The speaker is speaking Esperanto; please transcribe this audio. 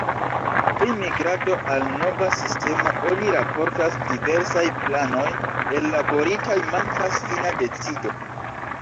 Pri migrado al nova sistemo oni raportas ”Diversaj planoj ellaboritaj, mankas fina decido”.